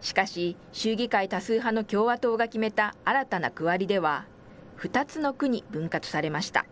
しかし、州議会多数派の共和党が決めた新たな区割りでは、２つの区に分割されました。